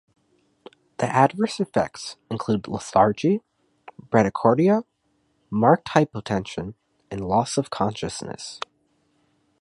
The adverse effects include lethargy, bradycardia, marked hypotension and loss of consciousness.